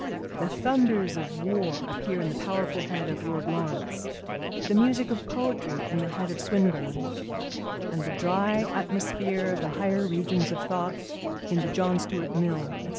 The thunders of war appear in the powerful head of Lord Lawrence, the music of poetry in the head of Swinburne, and the dry atmosphere of the higher regions of thought in the John Stuart Mill, &c.